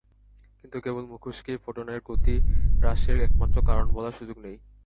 কিন্তু কেবল মুখোশকেই ফোটনের গতি হ্রাসের একমাত্র কারণ বলার সুযোগ নেই।